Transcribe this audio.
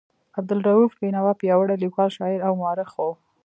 عبدالرؤف بېنوا پیاوړی لیکوال، شاعر او مورخ و.